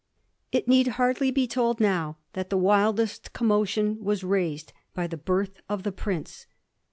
It need hardly be told now that the wildest commotion was raised by the birth of the prince.